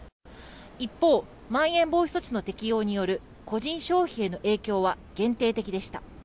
一方、まん延防止措置の適用による個人消費への影響は限定的でした。